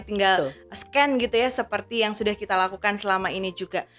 tinggal scan gitu ya seperti yang sudah kita lakukan selama ini juga